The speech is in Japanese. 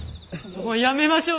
もうやめましょう！